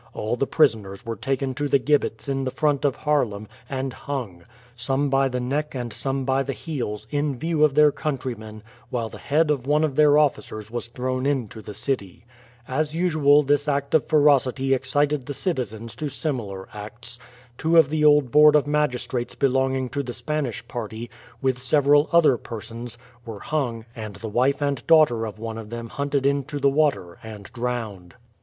All the prisoners were taken to the gibbets in the front of Haarlem, and hung, some by the neck and some by the heels, in view of their countrymen, while the head of one of their officers was thrown into the city. As usual this act of ferocity excited the citizens to similar acts. Two of the old board of magistrates belonging to the Spanish party, with several other persons, were hung, and the wife and daughter of one of them hunted into the water and drowned.